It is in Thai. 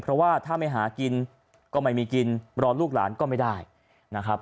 เพราะว่าถ้าไม่หากินก็ไม่มีกินรอลูกหลานก็ไม่ได้นะครับ